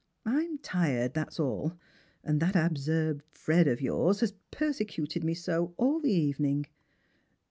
I'm tired, that's all, and that absurd Fred of yours has persecuted me so all the evening."